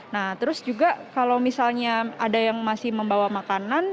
nah terus juga kalau misalnya ada yang masih membawa makanan